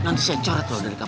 nanti saya cari tuh dari kamu